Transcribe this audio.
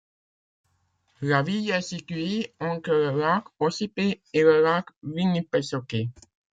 La ville est située entre le lac Ossipee et le lac Winnipesaukee.